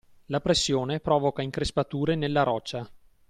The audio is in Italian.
La pressione provoca increspature nella roccia